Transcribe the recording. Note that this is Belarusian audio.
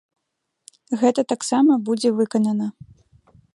Гэта таксама будзе выканана.